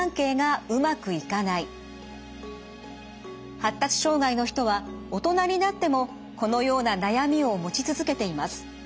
発達障害の人は大人になってもこのような悩みを持ち続けています。